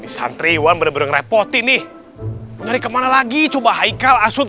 santriwan bener bener repot ini dari kemana lagi coba haikal asyik